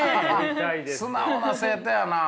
素直な生徒やな。